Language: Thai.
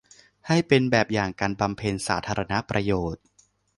ให้เป็นแบบอย่างการบำเพ็ญสาธารณประโยชน์